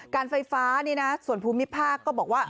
การไฟฟ้านี่นะส่วนภูมิภาคก็บอกว่า